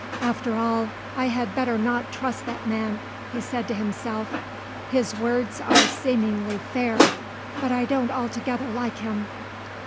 "After all, I had better not trust that man," he said to himself. "His words are seemingly fair, but I don't altogether like him."